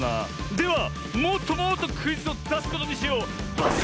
ではもっともっとクイズをだすことにしよう！